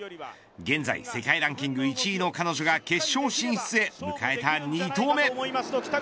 現在、世界ランキング１位の彼女が決勝進出へ迎えた２投目。